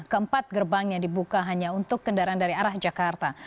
keempat gerbang yang dibuka hanya untuk kendaraan dari arah jakarta